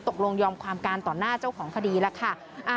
ยอมความการต่อหน้าเจ้าของคดีแล้วค่ะ